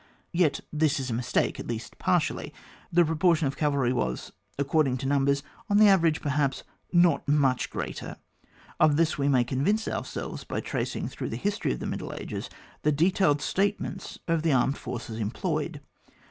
Yet this is a mistake, at least partly. The proportion of cavalry was, according to numbers, on the average perhaps, not much greater ; of this we may convince ourselves by tracing, through the history of the middle ages, the detaUed statements of the armed forces then employed.